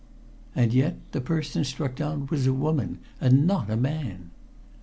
And yet the person struck down was a woman, and not a man!